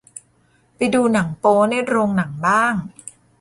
ไปดูหนังโป๊ในโรงหนังบ้าง